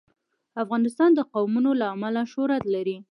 افغانستان د قومونه له امله شهرت لري.